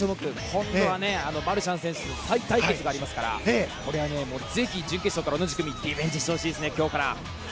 今度はマルシャン選手との再対決がありますからぜひ準決勝から同じ組リベンジしてほしいですね。